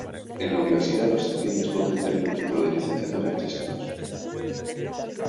En la universidad, los estudiantes pueden obtener un título de licenciatura en tres años.